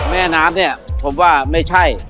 แม่น้ำเนี่ยผมว่าไม่ใช่